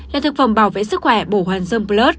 là thực phẩm bảo vệ sức khỏe bổ hoàn dung plus